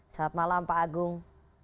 selamat malam pak agung